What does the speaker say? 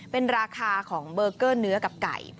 เป็นราคาของเบอร์เกอร์เนื้อกับไก่